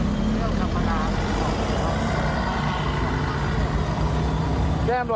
น้ำมะน้ำ